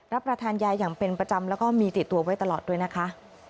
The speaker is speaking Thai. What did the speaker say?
รับประทานยาอย่างเป็นประจำแล้วก็มีติดตัวไว้ตลอดด้วยนะคะ